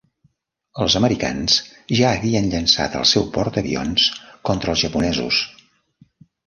Els americans ja havien llançat el seu portaavions contra els japonesos.